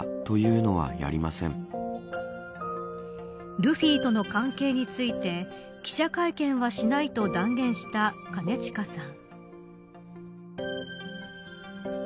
ルフィとの関係について記者会見はしないと断言した兼近さん。